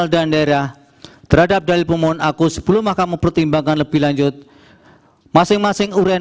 daerah terhadap dalil pemohon aku sebelum makamu pertimbangkan lebih lanjut masing masing urein